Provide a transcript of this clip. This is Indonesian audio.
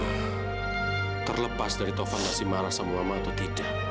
ya terlepas dari taufan masih marah sama mama atau tidak